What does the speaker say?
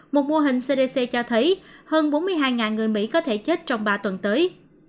một mô hình cdc cho thấy hơn bốn mươi hai người mỹ có thể chết trong ba tuần tới